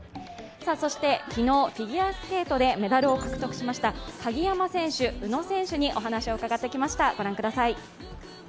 そして昨日、フィギュアスケートでメダルを獲得しました鍵山選手、宇野選手にお話を伺ってきました。